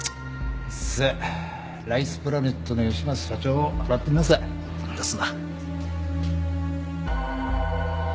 さっライスプラネットの吉松社長を洗ってみます。ですな。